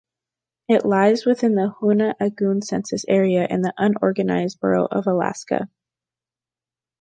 It lies within the Hoonah-Angoon Census Area, in the Unorganized Borough of Alaska.